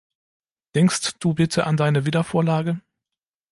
Denkst du bitte an deine Wiedervorlagen?